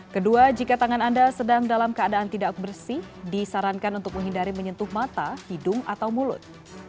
kedua jika tangan anda sedang dalam keadaan tidak bersih disarankan untuk menghindari menyentuh mata hidung atau mulut